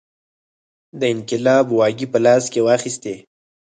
د انقلاب واګې په لاس کې واخیستې.